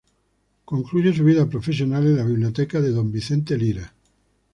Concluye su vida profesional en la biblioteca de don Vicente Lira.